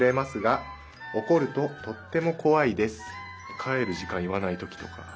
かえるじかんいわないときとか。